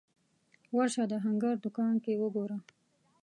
ورشه د هنګر دوکان کې وګوره